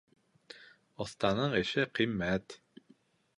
Оҫтаның эше ҡиммәт.